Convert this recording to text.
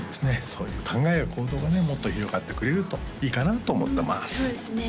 そういう考えや行動がねもっと広がってくれるといいかなと思ってますそうですね